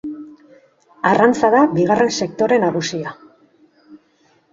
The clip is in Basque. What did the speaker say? Arrantza da bigarren sektore nagusia.